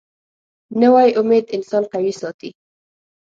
نوې امید انسان قوي ساتي